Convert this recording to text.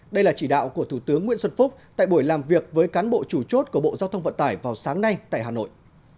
đây là chỉ đạo của thủ tướng nguyễn xuân phúc tại buổi làm việc với cán bộ chủ chốt của bộ giao thông vận tải vào sáng nay tại hà nội